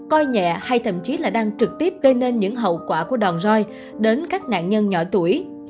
coi nhẹ hay thậm chí là đang trực tiếp gây nên những hậu quả của đòn roi đến các nạn nhân nhỏ tuổi